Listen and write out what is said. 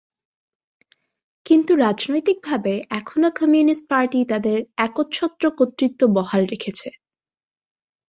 কিন্তু রাজনৈতিক ভাবে এখনও কমিউনিস্ট পার্টি তাদের একচ্ছত্র কর্তৃত্ব বহাল রেখেছে।